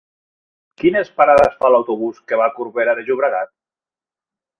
Quines parades fa l'autobús que va a Corbera de Llobregat?